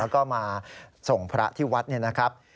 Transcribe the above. แล้วก็มาส่งพระที่วัดเนี่ยนะครับ